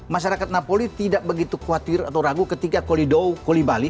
masyarakat napoli tidak begitu khawatir atau ragu ketika kolido koli bali